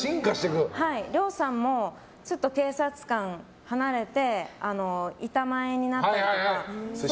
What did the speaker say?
両さんも警察官を離れて板前になったりとか。